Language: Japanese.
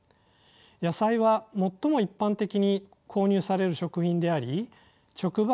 野菜は最も一般的に購入される食品であり直売